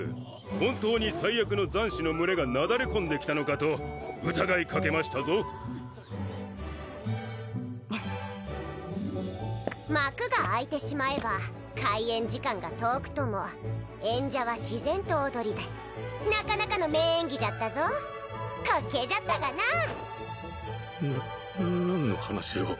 本当に災厄の残滓の群れがなだれ込んできたのかと疑いかけましたぞ幕が開いてしまえば開演時間が遠くとも演者は自然と踊りだすなかなかの名演技じゃったぞ滑稽じゃったがなな何の話を？